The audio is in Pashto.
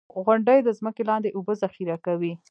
• غونډۍ د ځمکې لاندې اوبه ذخېره کوي.